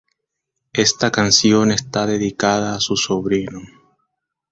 Esta canción está dedicada a su sobrino.